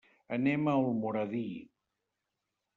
Anem a Almoradí.